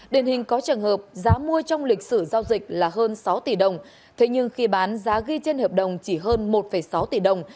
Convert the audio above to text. điển hình có trường hợp giá mua trong lịch sử giao dịch là hơn sáu tỷ đồng thế nhưng khi bán giá ghi trên hợp đồng chỉ hơn một sáu tỷ đồng